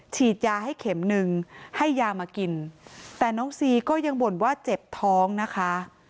ฉีดยาให้เข็มหนึ่งให้ยามากินแต่น้องซีก็ยังบ่นว่าเจ็บท้องนะคะ